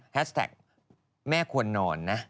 แท็กแม่ควรนอนนะ